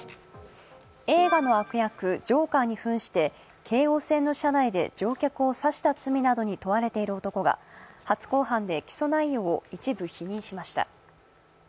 映画の悪役ジョーカーに扮して京王線の車内で乗客を刺した罪などに問われている男が初公判で起訴内容を一部批判しました。